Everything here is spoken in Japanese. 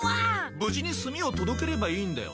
ぶじに炭をとどければいいんだよな。